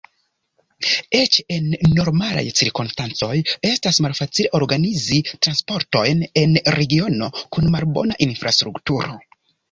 Eĉ en normalaj cirkonstancoj estas malfacile organizi transportojn en regiono kun malbona infrastrukturo.